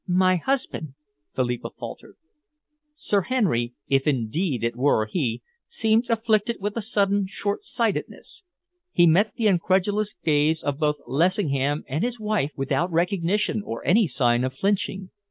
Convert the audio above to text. "My husband," Philippa faltered. Sir Henry, if indeed it were he, seemed afflicted with a sudden shortsightedness. He met the incredulous gaze both of Lessingham and his wife without recognition or any sign of flinching.